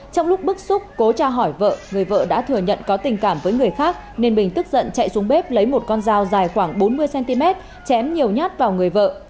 trong lúc bức xúc cố cha hỏi vợ người vợ đã thừa nhận có tình cảm với người khác nên bình tức giận chạy xuống bếp lấy một con dao dài khoảng bốn mươi cm chém nhiều nhát vào người vợ